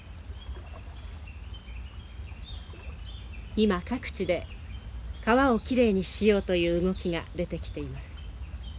今各地で川をきれいにしようという動きが出てきています。